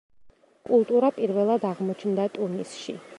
კულტურა პირველად აღმოჩნდა ტუნისში.